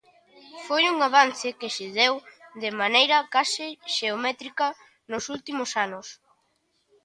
Foi un avance que se deu de maneira case xeométrica nos últimos anos.